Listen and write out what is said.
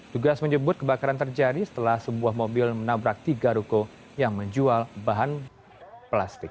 tugas menyebut kebakaran terjadi setelah sebuah mobil menabrak tiga ruko yang menjual bahan plastik